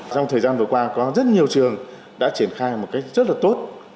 trong thời gian vừa qua có rất nhiều trường đã triển khai một cách rất là tốt